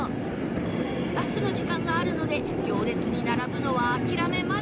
バスの時間があるので行列に並ぶのは諦めます